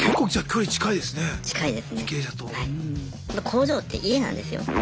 工場って家なんですよ。